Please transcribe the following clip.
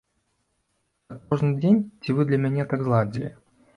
Так кожны дзень ці вы для мяне так зладзілі?